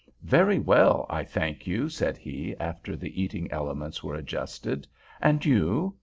"Very well, I thank you," said he, after the eating elements were adjusted; "and you?"